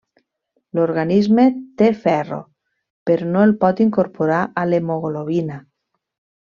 L'organisme té ferro però no el pot incorporar a l'hemoglobina.